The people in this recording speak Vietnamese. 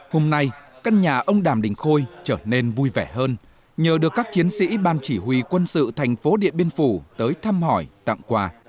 hôm nay căn nhà ông đàm đình khôi trở nên vui vẻ hơn nhờ được các chiến sĩ ban chỉ huy quân sự thành phố điện biên phủ tới thăm hỏi tặng quà